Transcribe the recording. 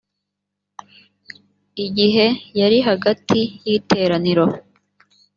igihe yari hagati y iteraniro